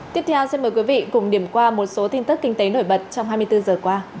tiếp theo xin mời quý vị cùng điểm qua một số tin tức kinh tế nổi bật trong hai mươi bốn giờ qua